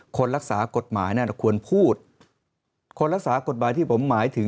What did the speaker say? คนรักษากฎหมายนั้นควรพูดควรรักษากฎหมายที่ผมหมายถึง